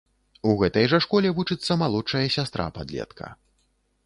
У гэтай жа школе вучыцца малодшая сястра падлетка.